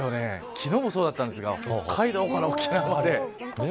昨日もそうだったんですが北海道から沖縄まで。